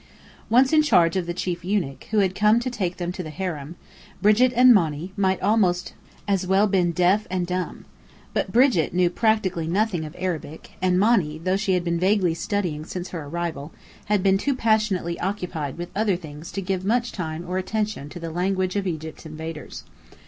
Once in charge of the chief eunuch, who had come to take them to the harem, Brigit and Monny might almost as well have been deaf and dumb. Brigit knew practically nothing of Arabic; and Monny, though she had been vaguely studying since her arrival, had been too passionately occupied with other things to give much time or attention to the language of Egypt's invaders.